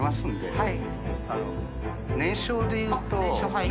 はい。